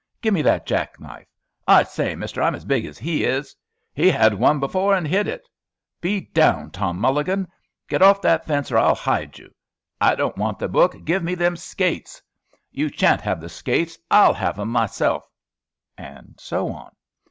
"Give me that jack knife!" "I say, Mister, I'm as big as he is," "He had one before and hid it," "Be down, Tom Mulligan, get off that fence or I'll hide you," "I don't want the book, give me them skates," "You sha'n't have the skates, I'll have 'em myself " and so on.